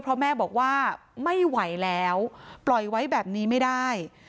เพราะแม่บอกว่าไม่ไหวแล้วปล่อยไว้แบบนี้ไม่ได้